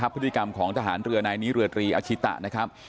พฤติกรรมของทหารเรือนายนี้เรือตรีอาชิตะนะครับ